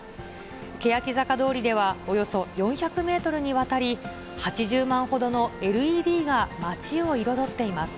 けやき坂通りでは、およそ４００メートルにわたり、８０万ほどのＬＥＤが街を彩っています。